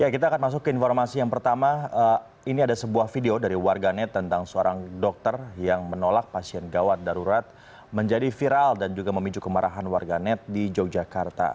kita akan masuk ke informasi yang pertama ini ada sebuah video dari warganet tentang seorang dokter yang menolak pasien gawat darurat menjadi viral dan juga memicu kemarahan warga net di yogyakarta